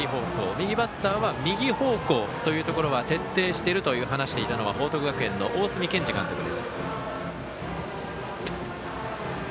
右バッターは右方向というところは徹底していると話していたのは報徳学園の大角健二監督です。